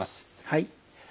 はい。